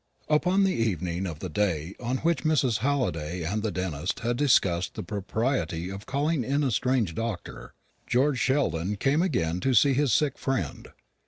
Upon the evening of the day on which Mrs. Halliday and the dentist had discussed the propriety of calling in a strange doctor, George Sheldon came again to see his sick friend.